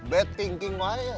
bad thinking mah ya